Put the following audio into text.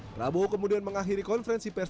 prabowo kemudian mengakhiri konferensi pers